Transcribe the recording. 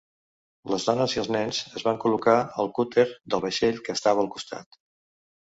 Les dones i els nens es van col·locar al cúter del vaixell, que estava al costat.